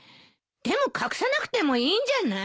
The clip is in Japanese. でも隠さなくてもいいんじゃない？